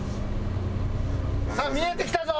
さあ見えてきたぞ！